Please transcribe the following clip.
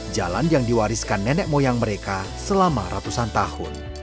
jalan yang diwariskan nenek moyang mereka selama ratusan tahun